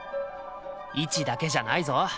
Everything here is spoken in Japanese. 位置だけじゃないぞ。